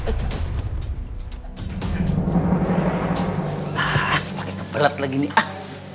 ah pake kepelet lagi nih ah